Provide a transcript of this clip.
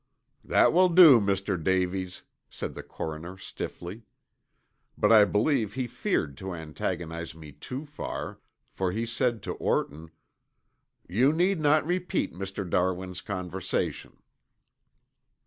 "That will do, Mr. Davies," said the coroner stiffly. But I believe he feared to antagonize me too far, for he said to Orton, "You need not repeat Mr. Darwin's conversation."